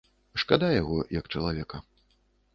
Шкада яго, як чалавека.